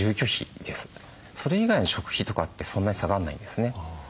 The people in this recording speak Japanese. それ以外食費とかってそんなに下がんないんですね。